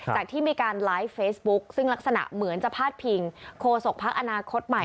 ที่มีการไลฟ์เฟซบุ๊คซึ่งลักษณะเหมือนจะพาดพิงโคศกพักอนาคตใหม่